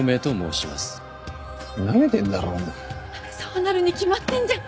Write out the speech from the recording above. そうなるに決まってんじゃん。